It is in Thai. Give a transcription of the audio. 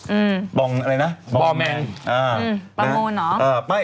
อืมบองอะไรนะบองแมงอ่าประโงนเหรออ่าไม่